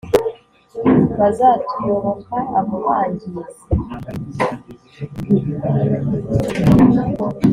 bazatuyoboka abo bangizi